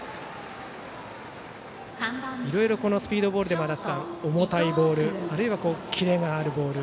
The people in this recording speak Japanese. いろいろスピードボールでも重たいボールあるいはキレがあるボール